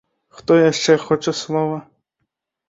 Хто яшчэ хоча слова?